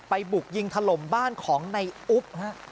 บุกยิงถล่มบ้านของในอุ๊บฮะ